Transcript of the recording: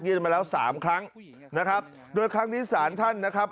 มาแล้วสามครั้งนะครับโดยครั้งนี้สารท่านนะครับ